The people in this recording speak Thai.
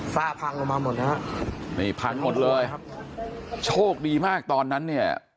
ฝ้าพังลงมาหมดนะครับพังหมดเลยโชคดีมากตอนนั้นเนี่ย